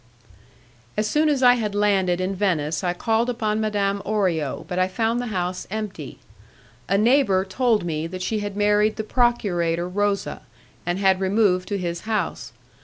As soon as I had landed in Venice, I called upon Madame Orio, but I found the house empty. A neighbour told me that she had married the Procurator Rosa, and had removed to his house.